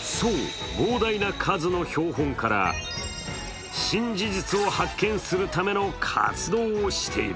そう、膨大な数の標本から新事実を発見するための活動をしている。